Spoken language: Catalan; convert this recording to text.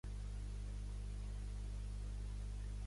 Li escarpia els cabells a poc a poc.